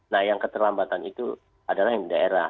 nah yang keterlambatan itu adalah yang daerah